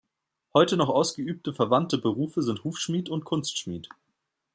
Heute noch ausgeübte verwandte Berufe sind Hufschmied und Kunstschmied.